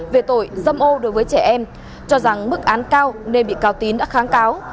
về tội dâm ô đối với trẻ em cho rằng mức án cao nên bị cáo tín đã kháng cáo